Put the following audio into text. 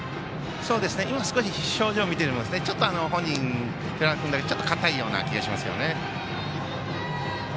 今、少し表情を見ても本人の表情ちょっと硬いような気がしますね。